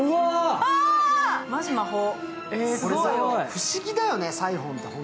不思議だよね、サイフォンって。